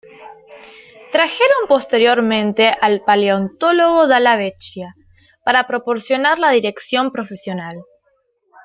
Trajeron posteriormente al paleontólogo Dalla Vecchia para proporcionar la dirección profesional.